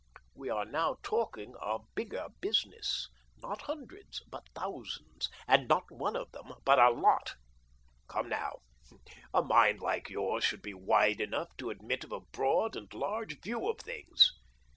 We are now talking of bigger business — not hundreds, but thousands, and not one of them, but a lot. Come now, a mind like yours should be wide enough to admit of a broad and large view of things.